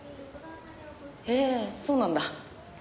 へえそうなんだ。